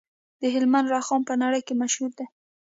د هلمند رخام په نړۍ کې مشهور دی